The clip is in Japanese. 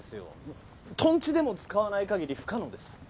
もうとんちでも使わない限り不可能です。